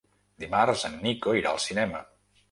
Dimarts en Nico irà al cinema.